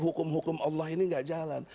hukum hukum allah ini gak jalan